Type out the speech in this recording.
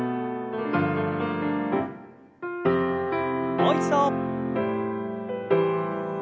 もう一度。